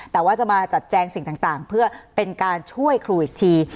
แต่ว่าจะมาจัดแจงสิ่งต่างเพื่อเป็นการช่วยครูอีกที